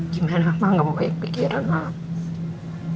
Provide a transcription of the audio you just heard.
gimana mama gak mau banyak pikiran mak